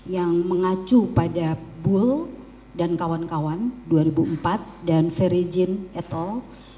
yang mengacu pada bull dan kawan kawan dua ribu empat dan ferijin et al dua ribu dua puluh satu